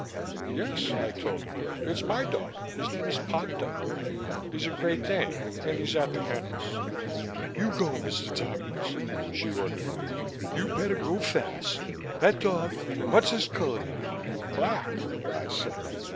"Yes," I told her. "It's my dog. His name is Ponto. He's a Great Dane and he's at the kennels." "You go, Mr. Tompkins," she ordered me. "You better go fast. That dog wha's his color now?" "Black," I said.